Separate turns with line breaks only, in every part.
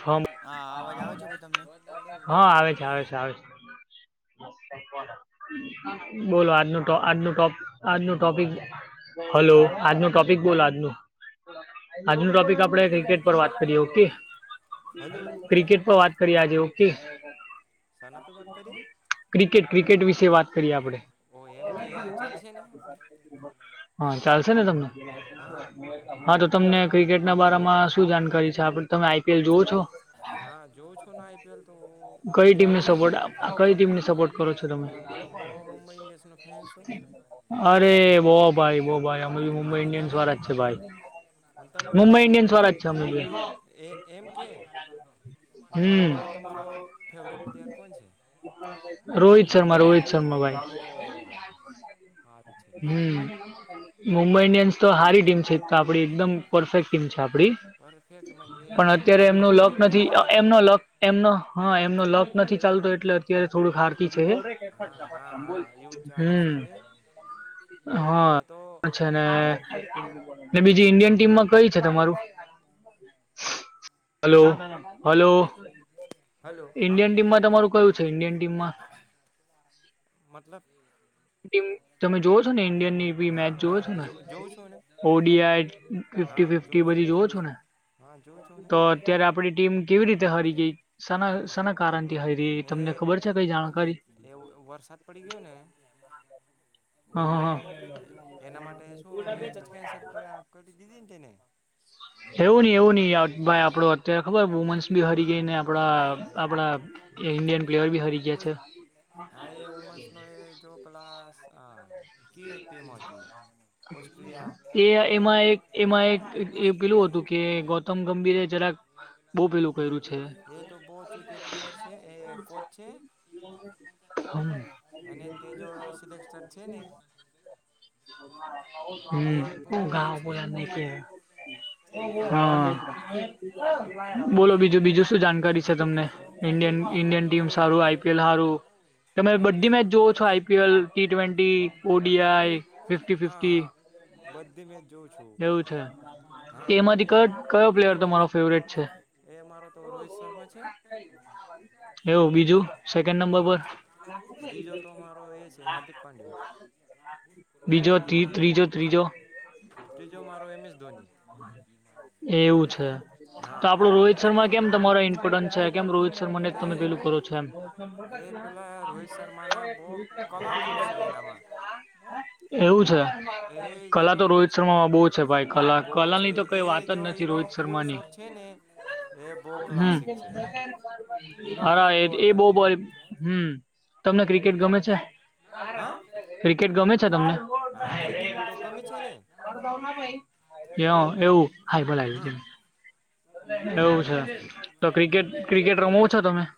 Form
હા, અવાજ આવે છે, ભાઈ તમને
હા આવે
[unintelligible]
છે આવે છે આવે છે
[inaudible]
બોલો, આજનું આજનું આજનું ટોપિક હલો, આજનો ટોપિક બોલો આજનું આજનુ, ટોપિક આપણે ક્રિકેટ પર વાત કરીએ ઓકે
હલો
ક્રિકેટ પર વાત કરી આજે ઓકે.
સાના પે, વાત કરીએ?
ક્રિકેટ ક્રિકેટ વિશે વાત કરીએ આપણે
ઓ, એમ કે ચાલશે ને
હા, ચાલશે ને તમને
હા
હા, તો તમને ક્રિકેટ ના બારામાં શું જાણકારી છે. આપડ તમે આઈપીએલ જોવો છો
હા, જોઉંછુંને, આઈપીએલ તો
કઈ
જોઉં
ટીમને
છું
સપોર્ટ આપો કઈ ટીમને સપોર્ટ કરો છો. તમે
હું તો મુંબઈ ઇન્ડિયન્સનો ફેન છું
અરે બો ભાઈ બો ભાઈ અમે તો મુંબઈ
અને
ઇન્ડિયન્સ
તમે
વાળા જ છે, ભાઈ મુંબઈ ઇન્ડિયન્સ વાળા જ છે અમે બી
[unintelligible] એમ કે, તો
હમ
તમારો ફેવરેટ પ્લેયર કોણ છે,
રોહિત શર્મા રોહિત શર્મા ભાઈ
ઓહ
હમ મુંબઈ ઇન્ડિયન્સતો હારી ટીમ છે, તો આપડી એકદમ પરફેક્ટ ટીમ છે, આપડી
અરે ફેંક મન
પણ અત્યારે એમનો લક નથી એમનો લક એમનો હા એમનો લક નથી ચાલતો એટલે અત્યારે થોડુ હારતી છે,
હા હા હા એવું ચાલે છે
હમ
તે ન તો
હા છેને, બીજી ઈન્ડિયન ટીમમાં કઈ છે, તમારુ [inaudible] હલો, હલો
હલો હા
ઈન્ડિયન ટીમમા, તમારું કયું છે, ઈન્ડિયન ટીમમા
મતલબ
ટીમ તમે જોઓ છો, ને ઇન્ડિયનની બી
હા
મેચ જોવો
હા
છો, ને
જો જોઉં છું ને
ઓડિઆઈ ફિફ્ટી
હા
ફિફ્ટી
જોઉં છું
બધી જોવો
જોઉં
છો, ને
છું હા, જોવું છુ ને
તો અત્યારે આપડી ટીમ કેવી રીતે હારી ગઈ સના સના કારણથી હારી ગઈ, એ તમને ખબર છે. કઈ
એ
જાણકારી
વરસાદ, પડી ગયો ને
હા, હા હા
એના માટે શું મેચ, જ કેન્સલ કર આ કરી દીધિતિને તેને
એવુ નહી, એવુ નહિ [unintelligible] ભાઈ આપડો ત્યારે ખબર વુમન્સ બી હરી ગઈને આપડા આપડા ઇન્ડિયન પ્લેયર બી હરી ગયા છે. [inaudible]
હા એ વુમન્સનો એ જો પેલા કી ટીમ હતી ઓસ્ટ્રિયા
એ એમા, એક એમા એક એ પેલું હતુ, કે ગૌતમ ગંભીરે જરાક બહુ પેલું
હ,
કર્યું છે.
એ તો બઉ ચૂતીયો પ્લેયર છે, એ કોચ છે.
[inaudible]
એને
હમ હુ,
એ
ગાર
છે
બોલાછ એને કેય હા
એમ
બોલો
કે
બીજું બીજું શું જાણકારી છે, તમને ઇન્ડિયન
બીજું
ઇન્ડિયન
તો
ટીમ સારું આઈપીએલ સારું તમે
આઈપીએલ
બધી
તો
મેચ
હા
જોવો છો, IPL T twenty ODI fifty, fifty
હા બધી મેચ જોઉં છું,
એવું છે
હા.
એમાંથી ક કયો પ્લેયર તમારો ફેવરેટ છે
એ મારો તો રોહિત શર્મા છે.
એવું બીજું સેકન્ડ નંબર
હા
પર
બીજો તો મારો એ છે હાર્દિક પાંડ્યા
બીજો ત્રી ત્રીજો, ત્રીજો
ત્રીજો મારો એમ એસ ધોની
એવું છે. તો
હા
આપડો રોહિત શર્મા કેમ તમારો ઇમ્પોર્ટન્સ છે. કેમ રોહિત શર્માને જ
તે
તમે પેલું કરો છો એમ
એ પેલા રોહિત શર્માના બહુ કલા ખૂબ છે એનામાં
એવું છે.
એ
કલા
એનો
તો
જે
રોહિત શર્મામાં બહ છે ભાઈ કલા
બો છે
કલાની તો,
એ
કઈ વાત જ
જો
નથી
એનો
રોહિત શર્મા
ફૂલ શોટ છે, ને એ બહુ ક્લાસિક છે
હમ
એનો
અરા
કોઈ
એ,
તોડ
એ બઉ બ
નથી
હમ તમને ક્રિકેટ ગમે છે.
હા
ક્રિકેટ ગમે છે, તમને
હા ક્રિકેટ તો ગમે છે ને
એવો, એવું લાગ્યું
હા
છે. એવું છે તો
હમ
ક્રિકેટ ક્રિકેટ રમો છો તમે હા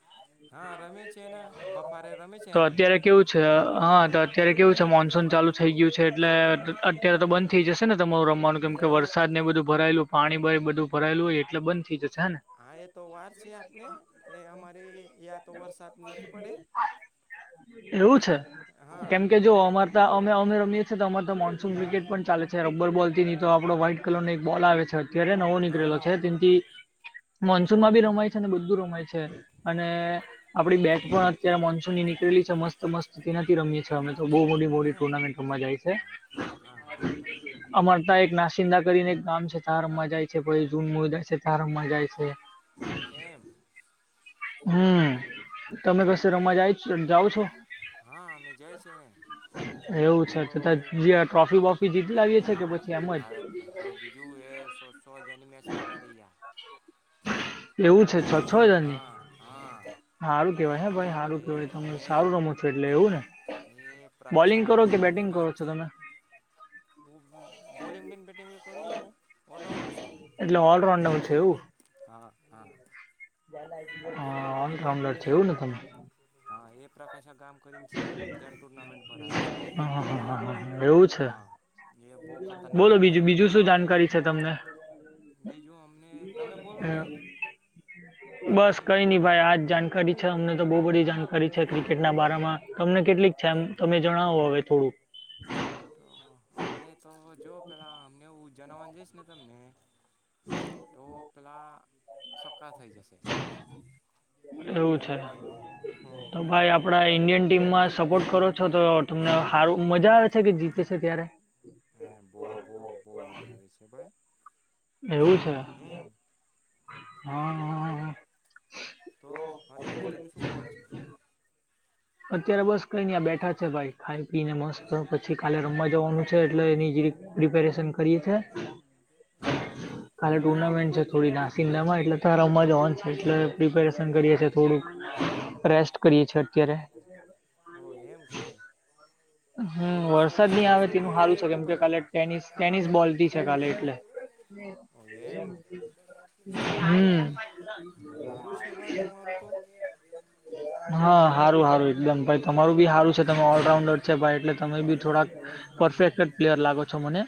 હા રમે છે ને બફારે રમે છે
તો
અમે
અત્યારે કેવું છે, હા તો અત્યારે કેવું છે, મોન્સૂન ચાલુ થઈ ગયું છે એટલે ત્યારે તો બંધ થઈ જશે, ને તમારું રમવાનું કેમ
એ
કે વરસાદ ને બધું ભરાયેલું પાણી બ એ બધું ભરાયેલું હોય એટલે બંધ થઈ જશે હ ને
હા, એ તો વાર છે આપને એ અમારે યાં તો વરસાદ નથી પડે
એવું છે.
હા
કેમકે જો અમરતા અમે અમે રમીએ. તો તમામારે તો મોન્સૂન વ્રિકેટ પણ ચાલે છે રબર બોલ થી નહી તો વ્હાઈટ કલર નો એક બોલ આવે છે. અત્યારે નવો
હા
નીકળેલો છે. તેથી મોન્સૂન
હમ
માં ભી રમાય છે, અને બધું રમાય છે, અને આપડી બેગ પણ અત્યારે મોન્સૂન ની નીકળેલી મસ્ત મસ્ત તેનાથી રમીએ છીએ, અમે બહુ મોટી મોટી
ના
ટુર્નામેન્ટમાં જાય છે,
હા હા
આમા નાસીદા કરીને એક ગામ છે, તાર મજાય છે પછી જૂન મ જાય છે તાર મજાાય છે.
એમ
હમ્મ, તમે
બીજું
કશે રમા જાય જાવ છો.
હા, અમે જાય છિ ને
એવું
અમે
છે, તો
એ
જ ટ્રોફી વોફી જીતી લાગી છે કે પછી એમ
હા, તો બીજું એ સો સો હજાર ની મેટ લગાડીયા
એવું છે છ, છ હજારની.
હા
હારું કેહેવાય હ ભાઈ હારું
એ
કેહેવાય તમ‌
અમે
સારું રમો એટલે એવુ ને
એ પ્રકાશા
બોલિંગ, કરો કે બેટિંગ કરો છો. તમે
બોલીંગ, ભી બેટીગ ભી કરું ન હુંઓલરાઉન્ડર છું.
એટલે ઓલરાઉન્ડર છવ એવું
હા હા
હા, આમ તો ઓલરાઉન્ડર છુએવું ને તમે
હા, એ પ્રકાશ કામ
હ, હ, હ, એવું
હા
છે.
એ, બહુ ખતરનાક
બોલો બીજું
ખતરનાક
બીજું
ટિમો
શું
આવે ને
જાણકારી છે તમને
બીજું અમને, તમે બોલો
અ,
ને
બસ કઈ નહી ભાઈ આજ જાણકારી છે. અમને તો બહુ બધી જાણકારી છે ક્રિકેટના બારામાં તમને કેટલીક છે, એમ તમે જણાવો હવે થોડુંક
અમને તો જો પેલા અમને એ જણવા જઈશ ને તમને તો પેલા સક્કા થઈ જશે.
એવુ, છે.
[inaudible] [unintelligible]
તો ભાઈ આપડા ઈન્ડિયન ટીમમાં સપોર્ટ કરો છો. તો તમને હારૂ મજા આવે છે, કે જીતે છે, ત્યારે
બહ, બહ બહ મજા આવે છે, ભાઈ
એવું છે,
હમ
હ, હ, હ
તો અત્યારે તમે શુ, કરો છો?
અત્યારે બસ કઈને આ બેઠા છે. ભાઈ ખાઈ પી ને મસ્ત પછી કાલે રમવા જવાનુ છે, એટલે એની જરિક પ્રિપેરેશન કરીએ છીએ
હા
કાલે ટુર્નામેન્ટ થોડી નાસીદામાં એટલે તો રમવા જવાનું હોન છે. એટલે પ્રિપેરેશન કરીએ છીએ થોડુંક રેસ્ટ કરીયે છિએ, અત્યારે
ઓ એમ કે એ
હમ્મ, વરસાદ
સકાય
ની
જાવ
આવે
છો કે
તેનું સારુ છે. કેમ કે
બપોરે
કાલે ટેનિસ ટેનિસ બોલથી છે, કાલે એટલે [inaudible]
ઓ એમ
[unintelligible] હમ્મ
સારું છે ભાઈ તમારું તો
હા હારુ, હારુ એકદમ ભાઈ તમારું ભી હારું
હા
છે, તમે ઓલરાઉન્ડર ભાઈ, એટલે તમે ભી થોડાક પરફેક્ટ પ્લેયર લાગો છો, મને,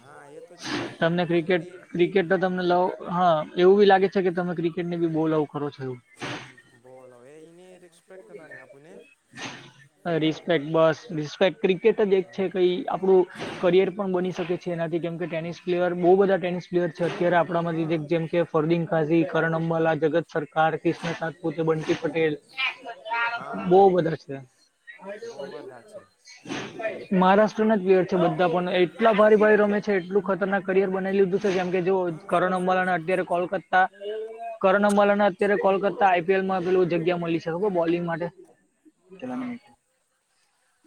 હા એ તો છે
તમને
એ
ક્રિકેટ
બધી ટી
ક્રિકેટ તો તમને લવ હા, એવુ ભી લાગે છે, કે તમે ક્રિકેટ એમને ભી, બવ લવ કરો છો.
બોલો, એનેપેક કરને આપુને
બસ રિસ્પેક ક્રિકેટ જ એક છે, કઈ આપણું
હા
કરિયર પણ બની શકે છે. એનાથી કેમ કે ટેનિસ પ્લેયર બહુ બધા ટેનિસ પ્લેયર છે અત્યારે આપણામાંથી,
હા
જે એક જેમ કે ફરદીિન કાઝી કરણ અંબાલા જગત સરકાર કષ્ સાતપુતે બકી પટેલ બહ, બધા છે
બો બધા છે
મહારાષ્ટ્રના જ પિયર છે, બધા પણ એટલા ભારે ભાઈ રમે છે. એટલુ ખતરનાક કરિયર બનાવી લીધું છે
હા
કે
શું શું
કરણમાલાના, અત્યારે કોલકતા કરણમાલાના અત્યારે કોલકતા આઈપીએલમા, પેલુ જગ્યા મળી શકે બોલિંગ માટેલા
હા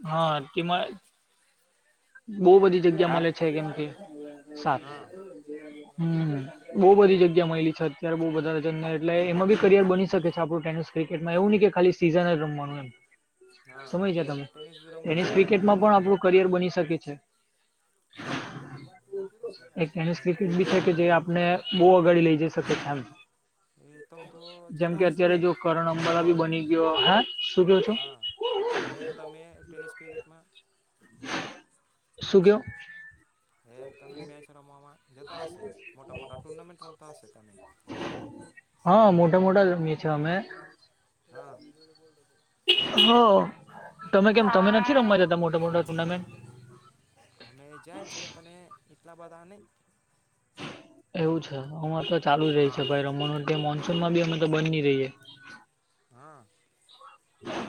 હા, તેમા સાત હમ
[inaudible]
બહુ બધી જગ્યા મળિેલી છે, અત્યારે બહુ બધા જનને એટલે એમાં બી કરિયર બની શકે છે, આપું ટેનિસ ક્રિકેટ એવુ નહ, કે ખાલી સિઝન જ રમવાનુ એમ
હા
સમય છે,
ટે
તમે
ટેનિસ બી રમવું
ટેનિસ
જોઈએ ને
ક્રિકેટમાં પણ આપણું કરિયર બની શકે છે.
હા
એક એની સ્થિતિ જ બી છે, કે જે આપને બહ અગાડી લઈ જઈ શકે તેમ
એ તમ તો
જેમ કે
જતા હશે
અત્યારે
ને
જો કરણ અંબર બી
રમવામાં
બની ગયો હે, શુ કેયો છો
હા એ તમે ટેનિસ ક્રિકેટમા
શું, કયો [inaudible]
હે તમે, મેચ રમવામાં જેતા હશે, મોટ મ મોટા ટુર્નન્ટ રમતાશે તમે
મોડા ગમીએ છ, અમે
હા
હ, તમે કેમ તમે નથી રમવા જતા મોટા, મોટા ટુર્નામેન્ટ
અમે જાય છે, પણ એટલા બધા નહીં
એવું છે, હ તો ચાલુ જ રહી છે
હા
ભાઈ રમનુંયા મોન્સૂનમા બી અમે તો બિન ન રે
હા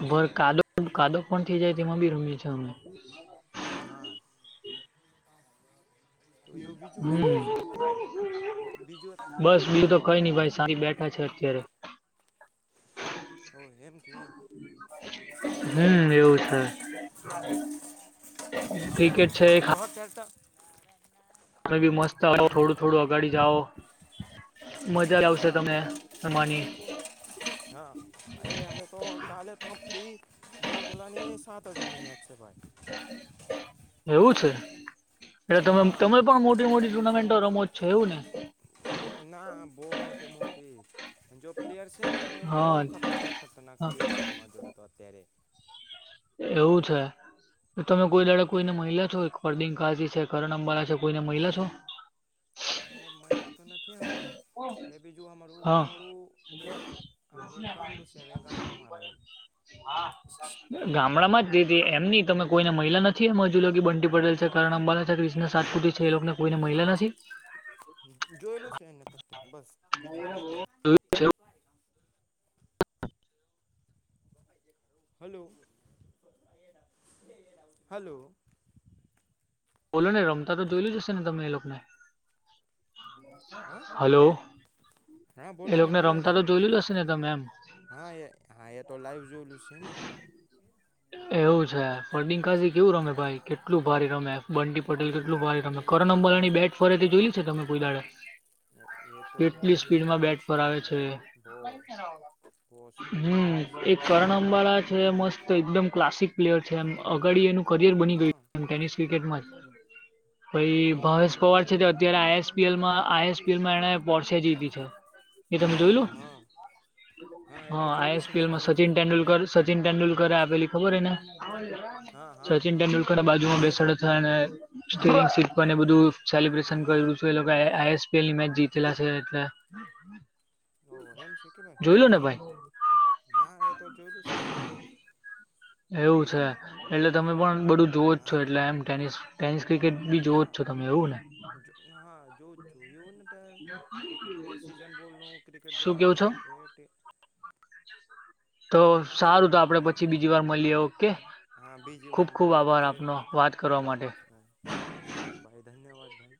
બર કદો કાદો પણ થઈ, જાય તેમા બી રમીએ છે અમે
હા તો એવું બીજું
હ,
ભાઈ બીજું
બસ બી તો કોઈ નઈ ભાઈ સા બેઠા છે, અત્યારે
ઓ, એ
હમ, એવુ છે ક્રિકેટ છે એ
તો
ખાસ
હા ચાલતા
તમે બી મસ્ત આવો થોડું થોડું અગાડી જાઓ મજા આવશે
હા
તમે તમારી
હા એ અમે તો કાલે તો ફરી ભોગલાની સાત હજારની મેચ છે ભાઈ
એવું છે એટલે ત તમે
હા
પણ
બહુ
મોટી મોટી
ખત
ટુર્નામેન્ટો રમો છો એવું છે
ના બહ મોટે મોટી જો પ્લેયર્સ ને એ બહ
હા
ખતરનાક ખતરનાક પ
હા,
છે એમાં જોડે અત્યારે
એવું છે તમે કોઈ
હા
દાડાક કોઈને મહિલા છો પરદિન કાજી છે કરણ અંબાલા છે કોઈને મહિલા છો?
ના એ મહિલા તો નથી અમે એ બીજું અમારું
હા
ગામડું એ અમારું ગામડું છેમ એ ગામડા મારે
ગામડામાં જધ એમની તમે કોઈને મહિલા નથી એમ? [inaudible] બનટી પડેલ છે, કારણ અંબાલા છે ક્રિષણ સાતપુ છે, એ લોકોને કોઈને
એ
મહિલા નથી
જોયેલું છે એને બસ બીજું કઈ નહી.
જોયું છે? [inaudible]
હલો? હલો!
બોલો ને રમતા તો જોયલું જ હશે ને તમે એ લોકો ને?
હા
હલો!
હા
એ
બોલો ને [unintelligible]
લોકોને
બોલો ને
રમતા તો જોયેલું જ હશે ને તમે એમ
હા એ હા એ તો લાઈવ જોયેલું છે. એને
એવું છે ફર્દીન કાઝી કેવું રમે
હા
ભાઈ? કેટલું ભારે રમે, બંટી
એ
પટેલ કેટલું
તો
ભારી
એ
રમે, કરન અંબલાની બેટ ફરે થી જોયલું છે તમે કોઈ દાડે?
યે તો બો
કેટલી સ્પીડમાં
ખતરનાક
બેટ
છે.
ફરાવે
ભાઈ બો
હમ, એ કરણ અંબાળા છે મસ્ત તો એકદમ ક્લાસિક પ્લેયર છે. એમ, અગાડી એનું કરિયર બની ગયું,
હા
એમ ટેનિસ ક્રિકેટમાં જ. પહી
બહુ
ભાવેશ
કર્યો
પવાર
તો
છે તે અત્યારે આઈએસપીએલમાં આઈએસ એણે પોર્સીયા જીઈતી છે, એ તમે જોયલું.?
હા એ
હા
તો જોયેલું છે ને
આઈએસપીએલમાં
મેં
સચિન તેંડુલકર
હા
સચિન તેંડુલ ઘરે આપેલી ખબર એને
હા
સચિન
હા
તેંડુલકર બાજુમાં બેસાડયો ત્યારે.. [unintelligible] એ
હા
બધું
આપી તું
સેલિબ્રેશન
હા
કરેલું છે એલોકા એ આઇએસ પેલી મેચ જીતેલા છે એટલે.
ઓ એમ છે કે ભાઈ,
જોઈ લો ને ભાઈ
ના એતો જોયલું છે ને.
એવું છે, એટલે તમે પણ બધું જોવ જ છો
હા
એટલે એમ ટેનિસ ટેનિસ ક્રિકેટ બી જોવો જ
હા
છો તમે એવું ને.?
હા જોઉ જ છું. એવું ને તે સીઝન બોલ નું ક્રિકેટ
શું
જોવાનું
કેવું છો
નહી. એ ટે [inaudible]
તો સારું, તો આપડે પછી બીજી વાર મળીએ ઓકે.
હા બીજી
ખુબ
વાર
ખુબ
મળે
આભાર
ઓકે
આપનો વાત કરવા માટે.
હા ભાઈ ધન્યવાદ ભાઈ.